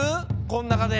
こんなかで。